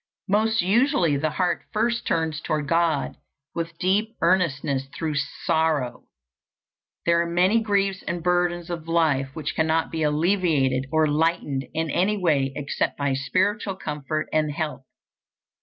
Most usually the heart first turns toward God with deep earnestness through sorrow. There are many griefs and burdens of life which cannot be alleviated or lightened in any way except by spiritual comfort and help.